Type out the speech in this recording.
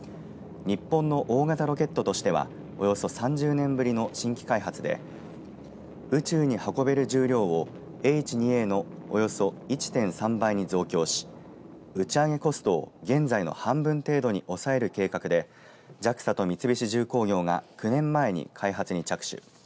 日本の大型ロケットとしてはおよそ３０年ぶりの新規開発で宇宙に運べる重量をＨ２Ａのおよそ１．３倍に増強し打ち上げコストを現在の半分程度に抑える計画でＪＡＸＡと三菱重工業が９年前に開発に着手。